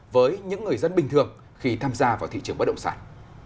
với những người dân bình thường khi tham gia vào thị trường bất động sản